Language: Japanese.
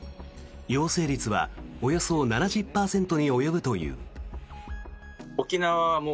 陽性率はおよそ７０％に及ぶという。